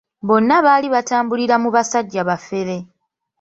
Bonna baali batambulira mu basajja bafere.